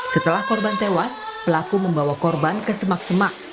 setelah korban tewas pelaku membawa korban ke semak semak